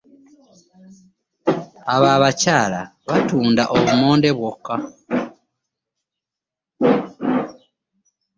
Abo abakyala batunda bumonde bwoka.